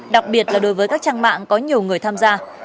đặc biệt là đối với các trang mạng có nhiều người tham gia